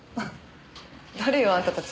誰よ？あんたたち。